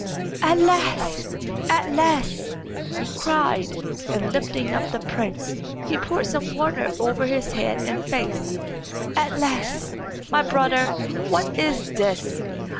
"Alas! alas!" he cried, and lifting up the prince, he poured some water over his head and face. "Alas! my brother, what is this?